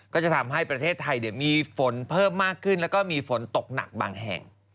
ก็จะทำให้ประเทศไทยมีฝนเพิ่มมากขึ้นแล้วก็มีฝนตกหนักบางแห่ง